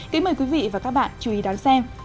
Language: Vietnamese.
kính mời quý vị và các bạn chú ý đón xem